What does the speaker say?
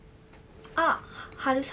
あっ春雨？